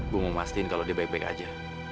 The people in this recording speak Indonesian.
gue mau memastikan kalau dia baik baik aja